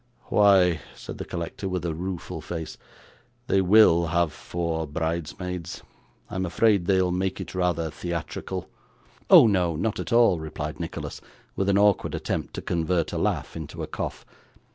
'Why,' said the collector, with a rueful face, 'they WILL have four bridesmaids; I'm afraid they'll make it rather theatrical.' 'Oh no, not at all,' replied Nicholas, with an awkward attempt to convert a laugh into a cough.